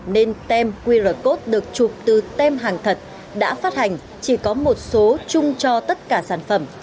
nên tem qr code được chụp từ tem hàng thật đã phát hành chỉ có một số chung cho tất cả sản phẩm